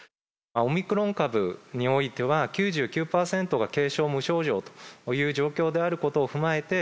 オミクロン株においては、９９％が軽症、無症状という状況であることを踏まえて、